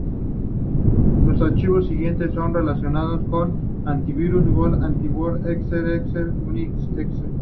Los archivos siguientes son relacionados con AntiVirus-Gold: antivirusgold.exe, avg.exe, eijk.exe, ongi.exe, uninst.exe.